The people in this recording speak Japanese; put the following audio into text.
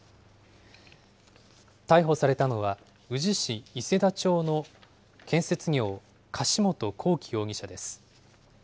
逮捕されたのは、宇治市伊勢田町の建設業、柏本光樹容疑者です。